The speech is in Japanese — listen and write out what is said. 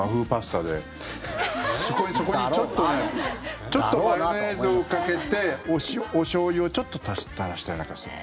そこにちょっとマヨネーズをかけておしょうゆをちょっと垂らしたりなんかする。